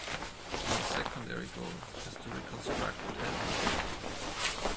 Our secondary goal is to reconstruct what happened.